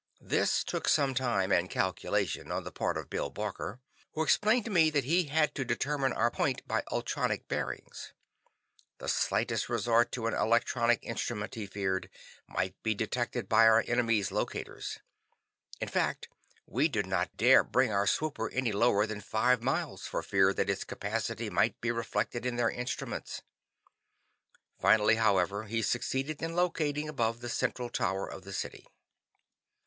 This took some time and calculation on the part of Bill Barker, who explained to me that he had to determine our point by ultronic bearings. The slightest resort to an electronic instrument, he feared, might be detected by our enemies' locators. In fact, we did not dare bring our swooper any lower than five miles for fear that its capacity might be reflected in their instruments. Finally, however, he succeeded in locating above the central tower of the city.